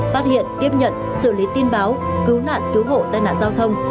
phát hiện tiếp nhận xử lý tin báo cứu nạn cứu hộ tai nạn giao thông